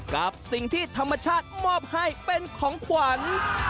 กับสิ่งที่ธรรมชาติมอบให้เป็นของขวัญ